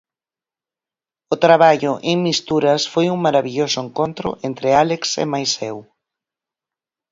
O traballo en "Misturas" foi un marabilloso encontro entre Álex e mais eu.